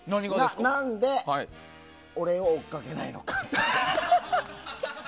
何で俺を追っかけないのか。